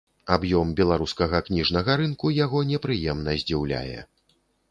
Аб'ём беларускага кніжнага рынку яго непрыемна здзіўляе.